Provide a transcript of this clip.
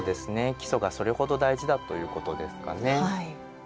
基礎がそれほど大事だということですかね。